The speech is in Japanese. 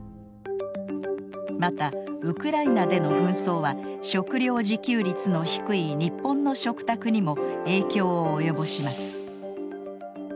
またウクライナでの紛争は食料自給率の低い日本の食卓にも影響を及ぼします。